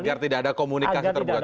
agar tidak ada komunikasi terbuka